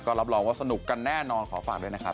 รับรองว่าสนุกกันแน่นอนขอฝากด้วยนะครับ